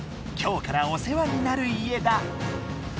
今日からおせわになる家だ。